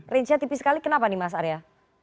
range nya tipis sekali kenapa nih mas arya